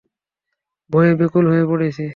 ভয়ে ব্যাকুল হয়ে পড়েছি।